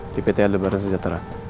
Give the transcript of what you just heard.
di pt adebaran sejahtera